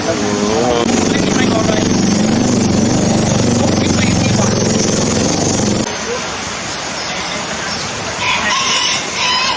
อีฟรุ่นพิวเมียอาหารไฟปีน